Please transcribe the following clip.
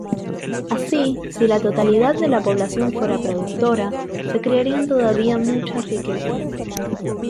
Así, si la totalidad de la población fuera productora, se crearían todavía muchas riquezas.